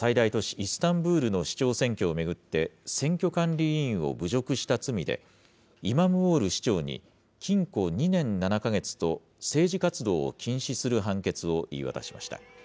イスタンブールの市長選挙を巡って、選挙管理委員を侮辱した罪で、イマムオール市長に禁錮２年７か月と政治活動を禁止する判決を言い渡しました。